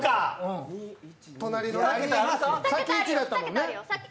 さっき１だったもんね。